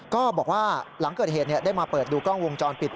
ก็บอกว่าหลังเกิดเหตุได้มาเปิดดูกล้องวงจรปิด